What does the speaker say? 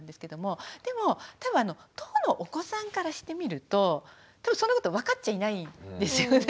でも多分当のお子さんからしてみると多分そんなことわかっちゃいないんですよね。